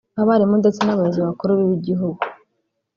abarimu ndetse n’abayobozi bakuru b’igihugu